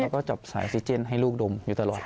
แล้วก็จับสายซิเจนให้ลูกดมอยู่ตลอด